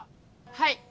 はい。